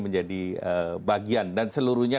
menjadi bagian dan seluruhnya